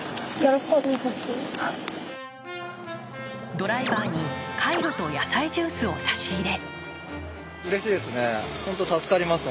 ドライバーにカイロと野菜ジュースを差し入れ。